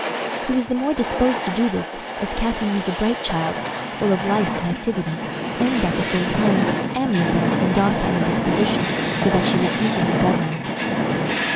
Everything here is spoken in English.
He was the more disposed to do this as Catharine was a bright child, full of life and activity, and, at the same time, amiable and docile in disposition, so that she was easily governed.